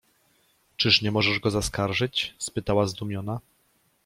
— Czyż nie możesz go zaskarżyć? — spytała zdumiona.